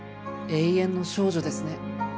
永遠の少女ですね